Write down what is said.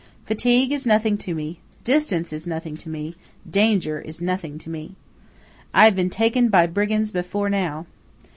Fatigue is nothing to me–distance is nothing to me–danger is nothing to me. I have been taken by brigands before now.